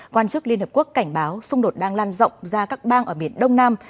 quan chức liên hợp quốc cảnh báo xung đột đang lan rộng ra các bang ở miền đông nam